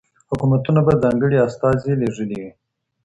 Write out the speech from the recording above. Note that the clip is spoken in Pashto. حکومتونو به ځانګړي استازي لیږلي وي.